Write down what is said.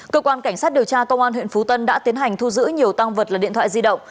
cơ quan cảnh sát điều tra công an huyện phú tân đã tiến hành thu giữ nhiều tăng vật là điện thoại di động